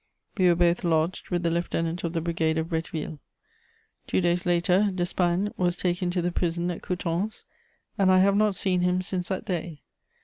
We were both lodged with the lieutenant of the brigade of Bretteville. Two days later, Despagne was taken to the prison at Coutances, and I have not seen him since that day.